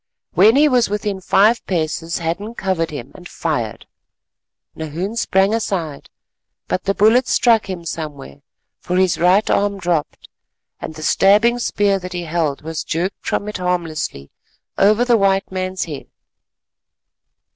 When he was within five paces Hadden covered him and fired. Nahoon sprang aside, but the bullet struck him somewhere, for his right arm dropped, and the stabbing spear that he held was jerked from it harmlessly over the white man's head.